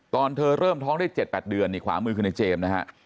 เธอเริ่มท้องได้๗๘เดือนขวามือคือในเจมส์